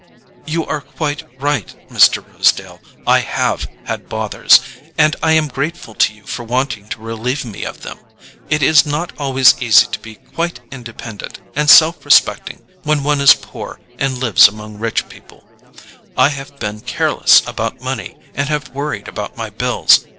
"You are quite right, Mr. Rosedale. I HAVE had bothers; and I am grateful to you for wanting to relieve me of them. It is not always easy to be quite independent and self respecting when one is poor and lives among rich people; I have been careless about money, and have worried about my bills.